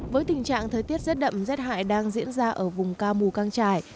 với tình trạng thời tiết rét đậm rét hại đang diễn ra ở vùng ca mù căng trải